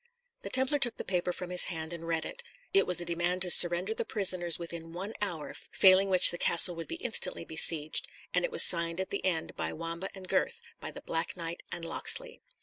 The Templar took the paper from his hand and read it. It was a demand to surrender the prisoners within one hour, failing which the castle would be instantly besieged; and it was signed at the end by Wamba and Gurth, by the Black Knight and Locksley.